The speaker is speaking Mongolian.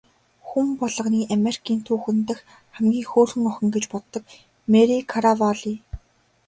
Хүн болгоны Америкийн түүхэн дэх хамгийн хөөрхөн охин гэж боддог Мари Караволли.